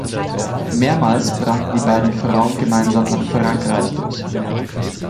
Mehrmals brannten die beiden Frauen gemeinsam nach Frankreich durch.